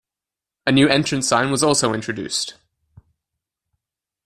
A new entrance sign was also introduced.